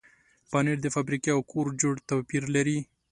پنېر د فابریکې او کور جوړ توپیر لري.